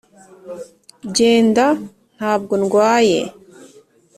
"genda. ntabwo ndwaye."